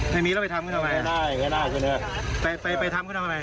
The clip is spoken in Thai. ไปทำกันทำอะไรไปทำอะไร